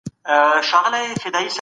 خلګ د جرګي پايلو ته سترګي په لار دي.